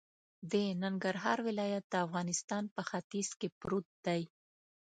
د ننګرهار ولایت د افغانستان په ختیځ کی پروت دی